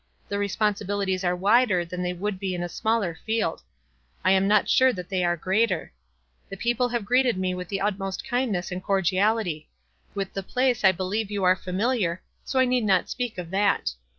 The responsibilities are wider than they would be in a smaller field. I am not sure that they are greater. The people have greeted me with the utmost kindness and cordiality. With the place I believe you are familiar, so I need not speak of that.